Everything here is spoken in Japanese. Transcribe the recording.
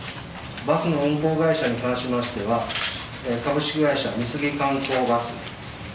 バスの運行会社に関しましては株式会社美杉観光バス。